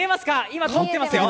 今通っていますよ。